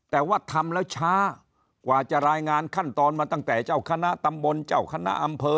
แต่ว่าทำแล้วช้ากว่าจะรายงานขั้นตอนมาตั้งแต่เจ้าคณะตำบลเจ้าคณะอำเภอ